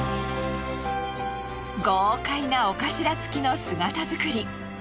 豪快なお頭付きの姿造り。